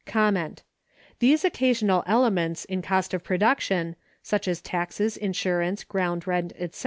These occasional elements in cost of production, such as taxes, insurance, ground rent, etc.